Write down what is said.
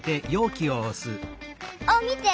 あっみて！